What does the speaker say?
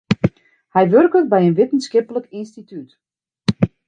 Hy wurket by in wittenskiplik ynstitút.